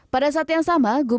pada saat yang sama